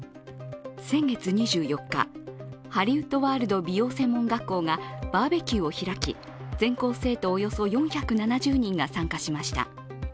先月２４日、ハリウッドワールド美容専門学校がバーベキューを開き全校生徒およそ４７０人が参加しました。